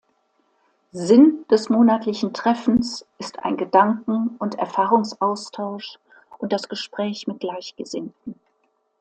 Sinn des monatlichen Treffens ist ein Gedanken- und Erfahrungsaustausch und das Gespräch mit Gleichgesinnten.